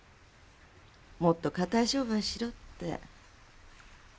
もっと堅い商売しろって。